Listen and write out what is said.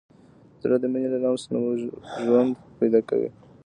زړه د مینې له لمس نه ژوند پیدا کوي.